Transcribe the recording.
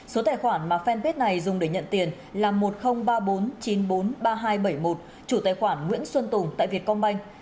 số tài khoản mà fanpage này dùng để nhận tiền là một không ba bốn chín bốn ba hai bảy một chủ tài khoản nguyễn xuân tùng tại việt công banh